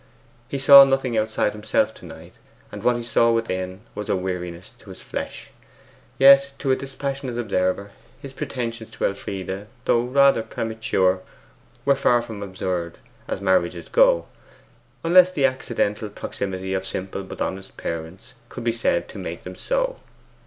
He saw nothing outside himself to night; and what he saw within was a weariness to his flesh. Yet to a dispassionate observer, his pretensions to Elfride, though rather premature, were far from absurd as marriages go, unless the accidental proximity of simple but honest parents could be said to make them so.